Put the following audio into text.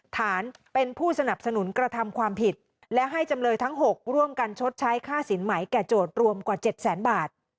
ฐานเป็นผู้สนับสนุนกระทำความผิดและให้จำเลยทั้ง๖ร่วมกันชดใช้ค่าสินใหม่แก่โจทย์รวมกว่า๗แสนบาท